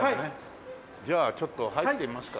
じゃあちょっと入ってみますか。